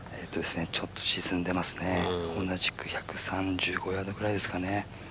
ちょっと沈んでますね、同じく１３５ヤードくらいですかね。